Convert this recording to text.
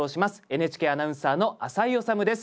ＮＨＫアナウンサーの浅井理です。